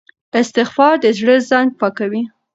استغفار د زړه زنګ پاکوي.